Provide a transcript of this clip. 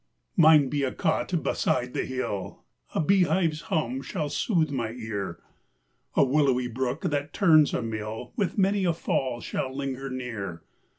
Mine be a cot beside the hill, A bee hive's hum shall sooth my ear; A willowy brook, that turns a mill, With many a fall shall linger near.